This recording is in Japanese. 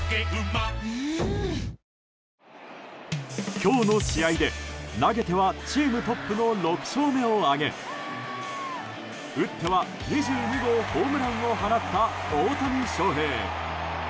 今日の試合で投げてはチームトップの６勝目を挙げ打っては２２号ホームランを放った大谷翔平。